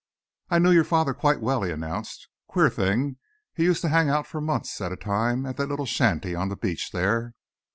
"I knew your father quite well," he announced. "Queer thing, he used to hang out for months at a time at that little shanty on the beach there.